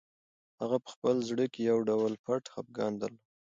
هغه په خپل زړه کې یو ډول پټ خپګان درلود.